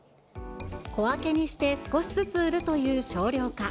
小分けにして、少しずつ売るという少量化。